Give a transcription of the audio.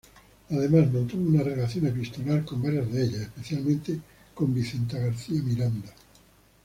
Además mantuvo una relación epistolar con varias de ellas, especialmente con Vicenta García Miranda.